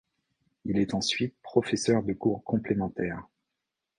Il est ensuite professeur de cours complémentaire.